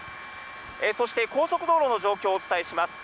そして高速道路の状況、お伝えします。